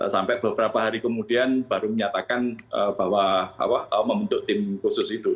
sampai beberapa hari kemudian baru menyatakan bahwa membentuk tim khusus itu